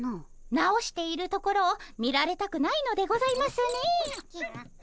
直しているところを見られたくないのでございますね。